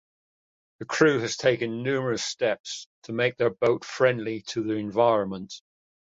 The crew has taken numerous steps to make their boat friendly to the environment.